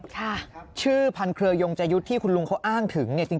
ค่ะชื่อพันเครือยงจยุทธ์ที่คุณลุงเขาอ้างถึงเนี่ยจริง